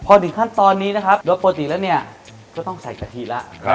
พอถึงขั้นตอนนี้นะครับโดยปกติแล้วเนี่ยก็ต้องใส่กะทิแล้ว